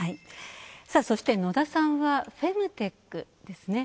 そして、野田さんはフェムテックですね。